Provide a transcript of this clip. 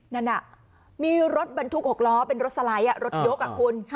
นั่นน่ะมีรถบรรทุกหกล้อเป็นรถสลัยรถยกค่ะคุณ